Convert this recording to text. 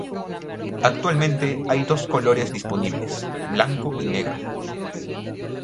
Actualmente hay dos colores disponibles, blanco y negro.